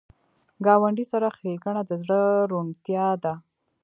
ګاونډي سره ښېګڼه د زړه روڼتیا ده